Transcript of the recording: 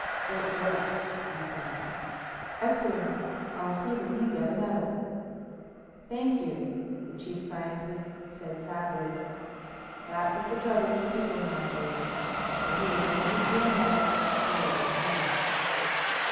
"It worked," he said. "Excellent. I'll see that you get a medal." "Thank you," the Chief Scientist said sadly. That was the trouble with people nowadays. They either handed you a medal or your head.